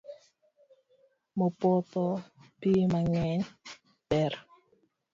Modho pii mangeny ber